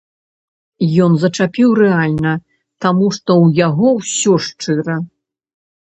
Ён зачапіў рэальна, таму што ў яго ўсё шчыра.